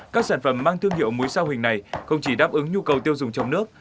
các sản phẩm mang thương hiệu mối sa huỳnh này không chỉ đáp ứng nhu cầu tiêu dùng trong nước